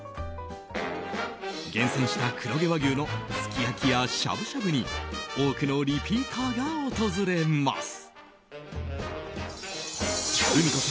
厳選した黒毛和牛のすき焼きや、しゃぶしゃぶに多くのリピーターが訪れます。